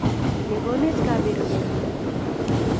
Ne konech kaberurennyi.